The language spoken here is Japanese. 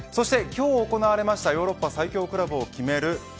今日行われたヨーロッパ最強クラブを決める